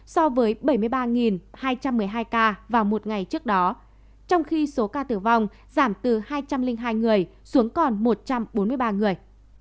so với bảy mươi ba hai trăm một mươi hai ca vào một ngày trước đó trong khi số ca tử vong giảm từ hai trăm linh hai người xuống còn một trăm bốn mươi ba người